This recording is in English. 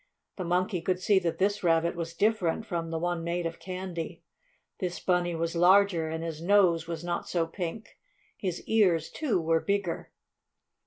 The Monkey could see that this rabbit was different from the one made of candy. This bunny was larger, and his nose was not so pink. His ears, too, were bigger.